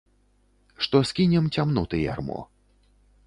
Што скінем цямноты ярмо.